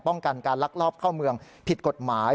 กันการลักลอบเข้าเมืองผิดกฎหมาย